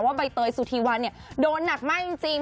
ว่าใบเตยสุธีวันโดนหนักมากจริง